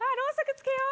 付けよう。